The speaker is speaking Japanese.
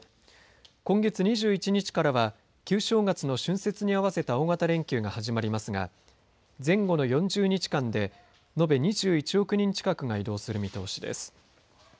今月２１日からは旧正月の春節に合わせた大型連休が始まりますが前後の４０日間で延べ２１億人近くが移動する見通しです。